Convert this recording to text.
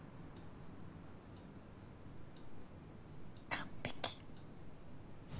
完璧。